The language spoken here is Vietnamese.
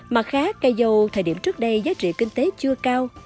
mặt khác cây dâu thời điểm trước đây giá trị kinh tế chưa cao